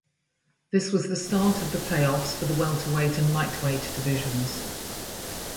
This was the start of the playoffs for the Welterweight and Lightweight divisions.